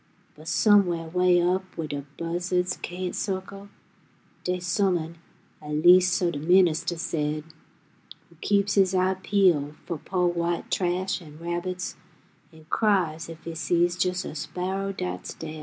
But somewheh way up wheh de buzza'ds cain't circle, Dey's Some'n, at leas' so de ministuh said, Who keeps His eye peeled fo' po' white trash 'n' rabbits, An' cries ef He sees jes' a sparrow 'ats daid.